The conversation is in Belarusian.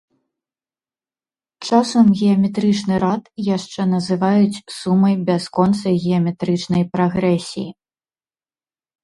Часам геаметрычны рад яшчэ называюць сумай бясконцай геаметрычнай прагрэсіі.